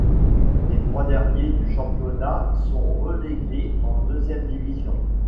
Les trois derniers du championnat sont relégués en deuxième division.